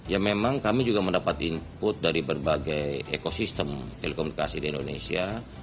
ya memang kami juga mendapat input dari berbagai ekosistem telekomunikasi di indonesia